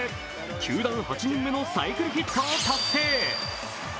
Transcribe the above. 球団８人目のサイクルヒットを達成。